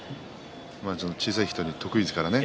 小さい人に得意ですからね。